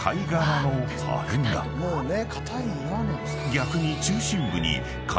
［逆に］